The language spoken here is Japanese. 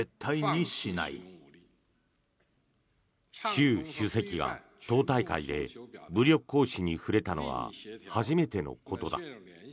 習主席が党大会で武力行使に触れたのは初めてのことだ。